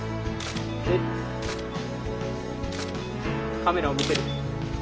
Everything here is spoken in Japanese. カメラを見てる。